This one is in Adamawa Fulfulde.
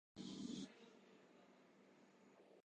Mi waalan aynango mo saare.